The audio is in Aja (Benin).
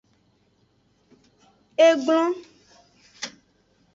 E glon.